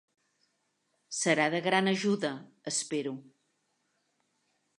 Serà de gran ajuda, espero.